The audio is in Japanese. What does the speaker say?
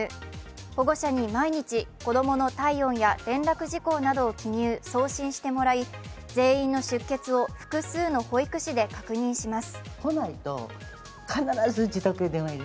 保護者に毎日子供の体温や連絡事項などを記入送信してもらい全員の出欠を複数の保育士で確認します。